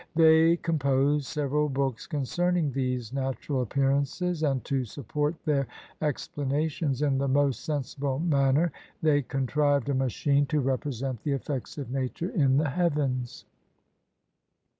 They composed several books concerning these natural appearances, and to support their expla nations in the most sensible manner they contrived a machine to represent the effects of nature in the heavens.